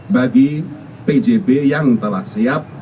bagi pjb yang telah siap